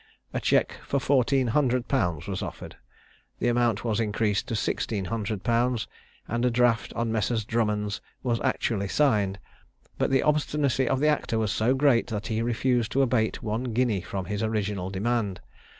A cheque for fourteen hundred pounds was offered; the amount was increased to sixteen hundred pounds, and a draft on Messrs. Drummond's was actually signed; but the obstinacy of the actor was so great, that he refused to abate one guinea from his original demand.